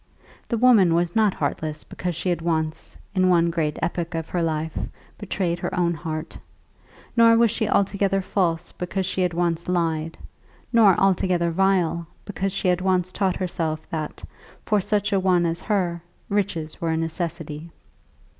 The woman was not heartless because she had once, in one great epoch of her life, betrayed her own heart; nor was she altogether false because she had once lied; nor altogether vile, because she had once taught herself that, for such an one as her, riches were a necessity.